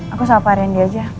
aku sama pak randy aja